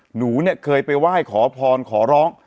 หนูเนี่ยเคยไปไหว้ขอพรขอร้อง